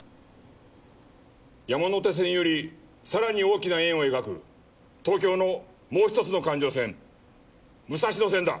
山手線よりさらに大きな円を描く東京のもう一つの環状線武蔵野線だ。